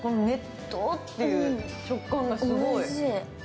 ねっとっていう食感がすごい。